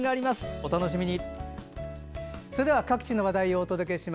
お楽しみに。